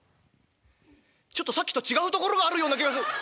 「ちょっとさっきと違うところがあるような気がする！